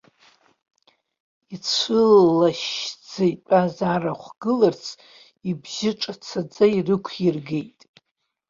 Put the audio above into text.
Ицәылашьшьӡа итәаз арахә гыларц ибжьы ҿацаӡа ирықәиргеит.